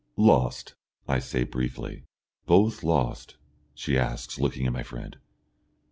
"Lost," I say, briefly. "Both lost?" she asks, looking at my friend.